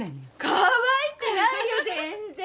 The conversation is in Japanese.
かわいくないよ全然。